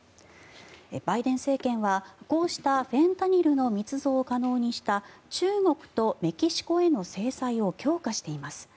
バイデン政権はこうしたフェンタニルの密造を可能にした中国とメキシコへの制裁を強化しています。